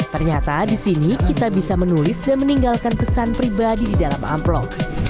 ternyata di sini kita bisa menulis dan meninggalkan pesan pribadi di dalam amplop